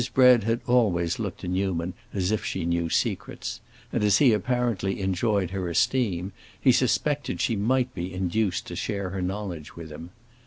Bread had always looked to Newman as if she knew secrets; and as he apparently enjoyed her esteem, he suspected she might be induced to share her knowledge with him.